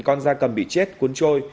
con da cầm bị chết cuốn trôi